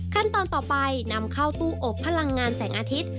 ขั้นตอนต่อไปนำเข้าตู้อบพลังงานแสงอาทิตย์